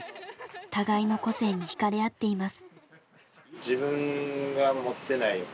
互いの個性に引かれ合っています。